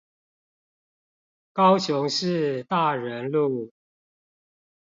高雄市大仁路